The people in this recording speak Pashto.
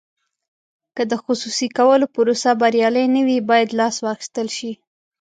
که د خصوصي کولو پروسه بریالۍ نه وي باید لاس واخیستل شي.